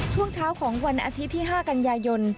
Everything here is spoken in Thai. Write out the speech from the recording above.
ช่วงเช้าของวันอาทิตย์ที่๕กันยายน